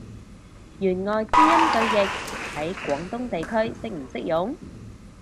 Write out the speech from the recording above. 弦外之音對譯，喺廣東地區適唔適用？